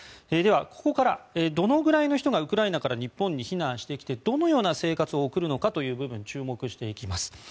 では、ここからどのくらいの人がウクライナから日本に避難してきてどのような生活を送るのかという部分に注目していきます。